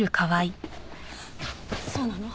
そうなの？